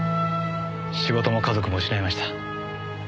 仕事も家族も失いました。